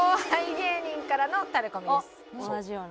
同じような。